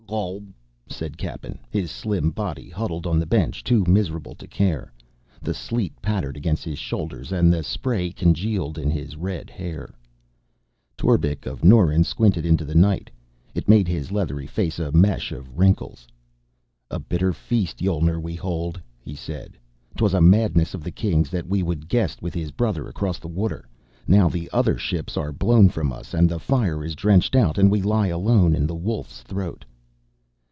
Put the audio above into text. "Ulp," said Cappen. His slim body huddled on the bench, too miserable to care. The sleet pattered against his shoulders and the spray congealed in his red hair. Torbek of Norren squinted into the night. It made his leathery face a mesh of wrinkles. "A bitter feast Yolner we hold," he said. "'Twas a madness of the king's, that he would guest with his brother across the water. Now the other ships are blown from us and the fire is drenched out and we lie alone in the Wolf's Throat."